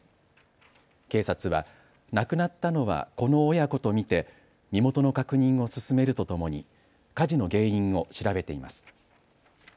警察は亡くなったのはこの親子と見て身元の確認を進めるとともに火事の原因を調べています。